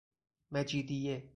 مجیدیه